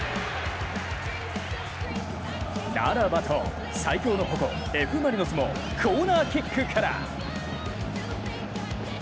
ならばと最強の矛、Ｆ・マリノスもコーナーキックから。